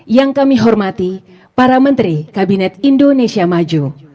yang kami hormati para menteri kabinet indonesia maju